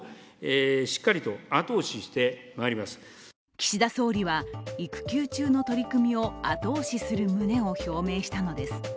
岸田総理は育休中の取り組みを後押しする旨を表明したのです。